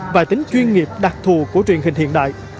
và tính chuyên nghiệp đặc thù của truyền hình hiện đại